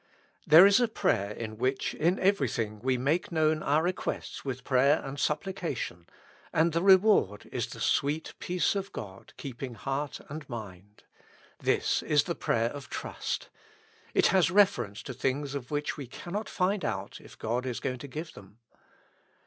There is a prayer in which, in everything, we make known our requests with prayer and supplication, and the reward is the sweet peace of God keeping heart and mind. This is the prayer of trust. It has reference to things of which we cannot find out if God is going to give them.